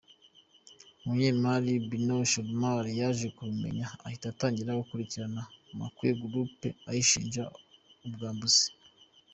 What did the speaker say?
Umunyemari Binod Chaudhary yaje kubimenya ahita atangira gukurikirana Mukwano Group ayishinja ubwambuzi.